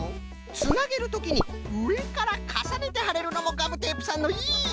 つなげるときにうえからかさねてはれるのもガムテープさんのいいところじゃな。